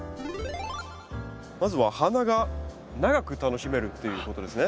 まずは花が長く楽しめるっていうことですね。